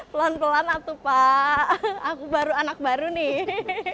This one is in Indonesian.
pelan pelan aku pak aku baru anak baru nih